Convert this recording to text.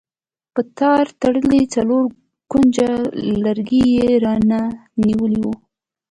په تار تړلی څلور کونجه لرګی یې راته نیولی و.